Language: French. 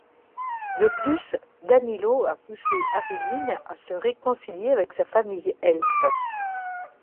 De plus, Danilo a poussé Arilyn à se réconcilier avec sa famille elfe.